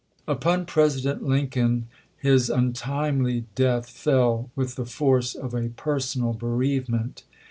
Upon President Lincoln his untimely death fell with the force of a personal bereavement.